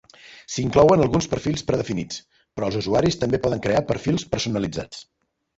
S'inclouen alguns perfils predefinits, però els usuaris també poden crear perfils personalitzats.